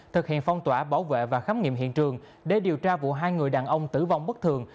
thực hiện phong tỏa bảo vệ và khám nghiệm hiện trường để điều tra vụ hai người đàn ông tử vong bất thường